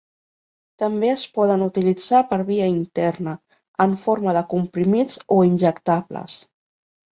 També es poden utilitzar per via interna en forma de comprimits o injectables.